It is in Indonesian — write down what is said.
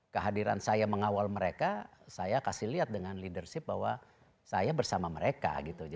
kehadiran saya mengawal mereka saya kasih lihat dengan leadership bahwa saya bersama mereka